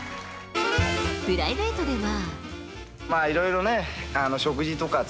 プライベートでは。